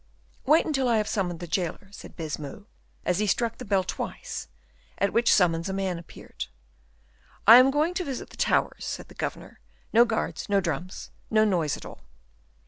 "Wait until I have summoned the jailer," said Baisemeaux, as he struck the bell twice; at which summons a man appeared. "I am going to visit the towers," said the governor. "No guards, no drums, no noise at all."